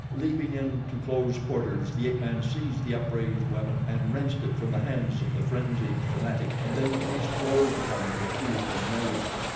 Leaping in to close quarters the ape man seized the upraised weapon and wrenched it from the hands of the frenzied fanatic and then the priest closed upon him with tooth and nail.